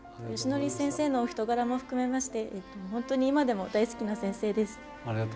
よしのり先生のお人柄も含めまして本当に今でも大好きな先生です。